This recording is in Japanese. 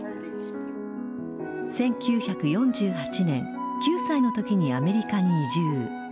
１９４８年、９歳のときにアメリカに移住。